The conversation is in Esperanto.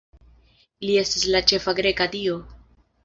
Li estas la ĉefa greka dio.